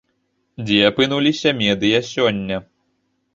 Дзе апынуліся медыя сёння?